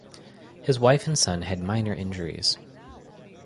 His wife and son had minor injuries.